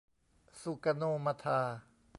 ซูการ์โน มะทา